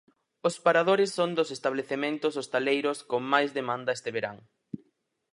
Os paradores son dos establecementos hostaleiros con máis demanda este verán.